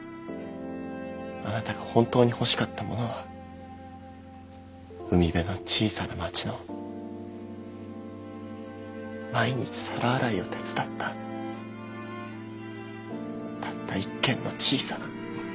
あなたが本当に欲しかったものは海辺の小さな町の毎日皿洗いを手伝ったたった１軒の小さな。